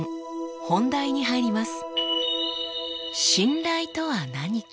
本題に入ります。